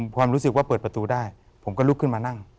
ความรู้สึกว่าเปิดประตูได้ผมก็ลุกขึ้นมานั่ง